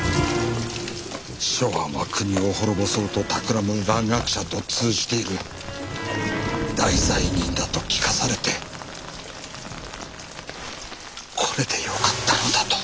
松庵は国を滅ぼそうと企む蘭学者と通じている大罪人だと聞かされてこれでよかったのだと。